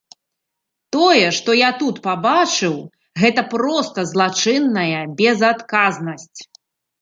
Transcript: Тое, што я тут пабачыў, гэта проста злачынная безадказнасць.